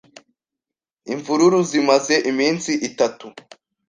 Imvururu zimaze iminsi itatu.